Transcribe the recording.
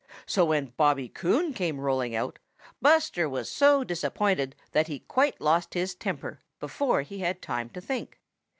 So when Bobby Coon came rolling out, Buster was so disappointed that he quite lost his temper before he had time to think.